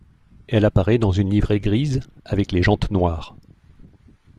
Elle apparaît dans une livrée grise, avec les jantes noires.